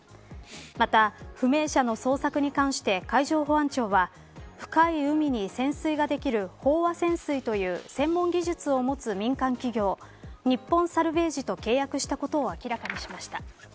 また不明者の捜索に関して海上保安庁は深い海に潜水ができる飽和潜水という専門技術を持つ民間企業日本サルヴェージと契約したことを明らかにしました。